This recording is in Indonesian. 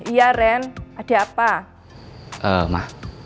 iya ren ada apa